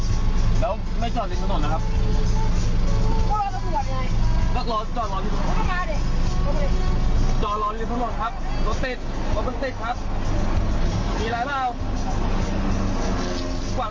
แต่ก็ไม่จอดทิศถนนนะครับ